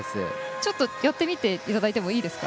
ちょっとやってみていただいてもいいですか。